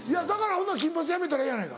ほんなら金髪やめたらええやないか。